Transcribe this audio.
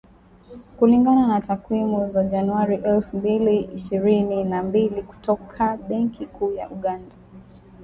Kulingana na takwimu za Januari elfu mbili ishirini na mbili kutoka Benki Kuu ya Uganda,